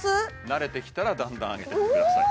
慣れてきたらだんだん上げていってください